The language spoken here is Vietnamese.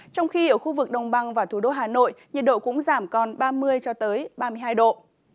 trong khi ở khu vực đồng băng và thủ đô hà nội nhiệt độ cũng giảm còn ba mươi ba mươi hai độ